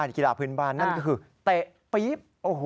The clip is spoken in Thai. กีฬาพื้นบ้านนั่นก็คือเตะปี๊บ